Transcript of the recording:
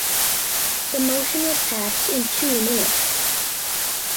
The motion was passed in two minutes.